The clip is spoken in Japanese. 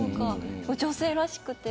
女性らしくて。